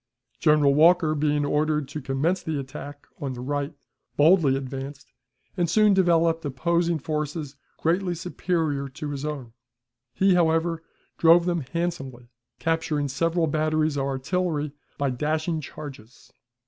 General Walker, being ordered to commence the attack on the right, boldly advanced, and soon developed opposing forces greatly superior to his own; he, however, drove them handsomely, capturing several batteries of artillery, by dashing charges.